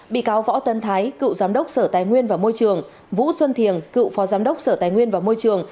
bị cáo võ tân thái cựu giám đốc sở tài nguyên và môi trường vũ xuân thiền cựu phó giám đốc sở tài nguyên và môi trường